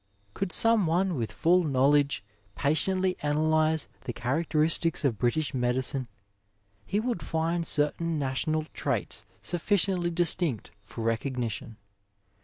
Gould some one with full knowledge patiently analjrse the characteristics of British medicine, he would find certain national traits sufficiently distinct for rec(^nition.